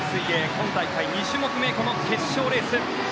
今大会２種目目決勝レース。